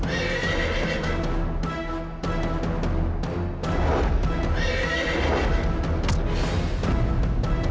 aku ingin melihat